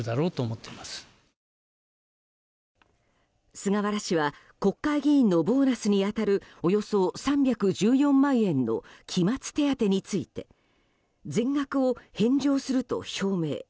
菅原氏は国会議員のボーナスに当たるおよそ３１４万円の期末手当について全額を返上すると表明。